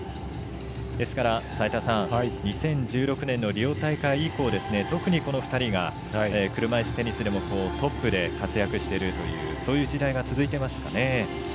ですから、２０１６年のリオ大会以降特にこの２人が車いすテニスでもトップで活躍しているという時代が続いていますかね。